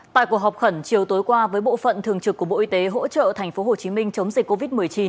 tại cuộc họp khẩn chiều tối qua với bộ phận thường trực của bộ y tế hỗ trợ thành phố hồ chí minh chống dịch covid một mươi chín